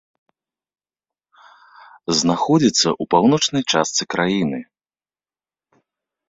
Знаходзіцца ў паўночнай частцы краіны.